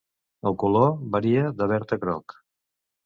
El color varia de verd a groc.